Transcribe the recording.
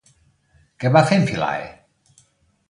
Què va fer amb Philae?